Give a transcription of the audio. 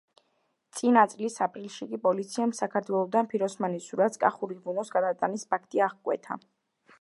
წინა წლის აპრილში კი პოლიციამ საქართველოდან ფიროსმანის სურათის „კახური ღვინოს“ გატანის ფაქტი აღკვეთა.